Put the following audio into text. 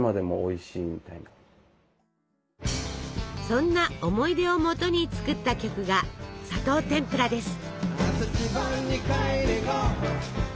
そんな思い出をもとに作った曲が「砂糖てんぷら」です。